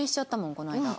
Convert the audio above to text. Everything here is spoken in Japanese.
この間。